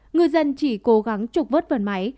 ngư dân chỉ cố gắng trục vớt phần máy